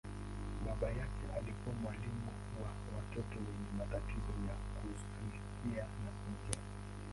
Baba yake alikuwa mwalimu wa watoto wenye matatizo ya kusikia na kuongea.